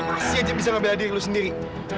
masih aja bisa ngebelah diri lo sendiri